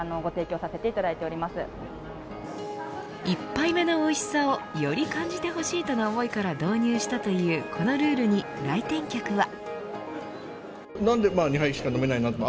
１杯目のおいしさをより感じてほしいとの思いから導入したというこのルールに来店客は。